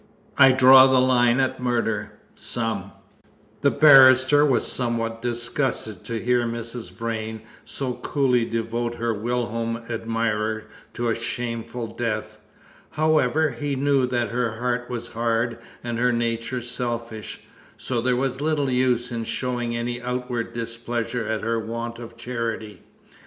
"I draw the line at murder some!" The barrister was somewhat disgusted to hear Mrs. Vrain so coolly devote her whilom admirer to a shameful death. However, he knew that her heart was hard and her nature selfish; so there was little use in showing any outward displeasure at her want of charity.